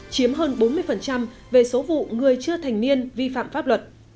chiếm hơn bốn mươi về số vụ người chưa thành niên vi phạm pháp luật